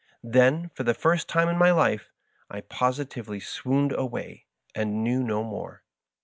Then, for the first time in my life, I posi tively swooned away, and knew no more.